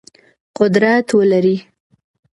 قدرت ولرئ.